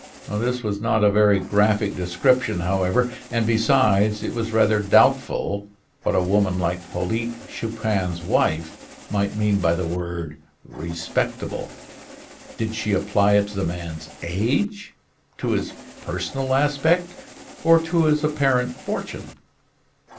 This was not a very graphic description, however, and, besides, it was rather doubtful what a woman like Polyte Chupin's wife might mean by the word "respectable." Did she apply it to the man's age, to his personal aspect, or to his apparent fortune.